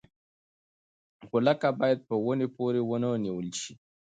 غولکه باید په ونې پورې ونه نیول شي.